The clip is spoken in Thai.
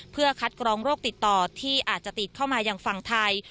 เพื่อคัดกรองโรคติดต่อที่อาจจะติดเข้ามายังฝั่งไทย